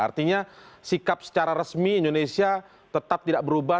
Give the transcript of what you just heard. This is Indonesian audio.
artinya sikap secara resmi indonesia tetap tidak berubah